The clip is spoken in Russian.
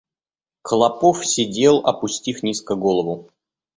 Клопов сидел, опустив низко голову.